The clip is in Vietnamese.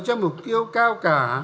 cho mục tiêu cao cả